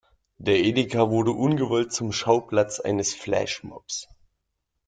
Der Edeka wurde ungewollt zum Schauplatz eines Flashmobs.